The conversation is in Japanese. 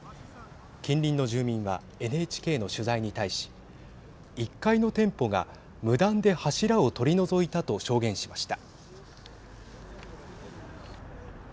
近隣の住民はＮＨＫの取材に対し１階の店舗が無断で柱を取り除いたと証言しました。